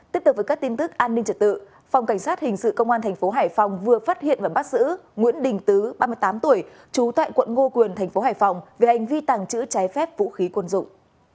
tiếp tục với các tin tức an ninh trật tự phòng cảnh sát hình sự công an tp hải phòng vừa phát hiện và bắt giữ nguyễn đình tứ ba mươi tám tuổi trú tại quận ngô quyền tp hải phòng về hành vi tàng trữ trái phép vũ khí quân dụng